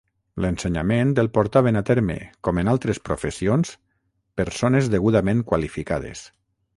L'ensenyament el portaven a terme, com en altres professions, persones degudament qualificades.